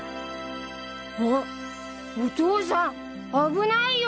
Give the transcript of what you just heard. ［あっお父さん危ないよ！］